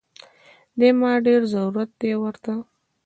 دې ما ډېر ضرورت دی ورته